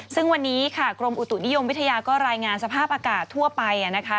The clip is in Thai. ซึ่งวันนี้ค่ะกรมอุตุนิยมวิทยาก็รายงานสภาพอากาศทั่วไปนะคะ